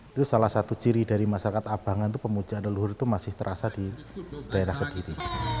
itu salah satu ciri dari masyarakat abangan itu pemujaan leluhur itu masih terasa di daerah kediri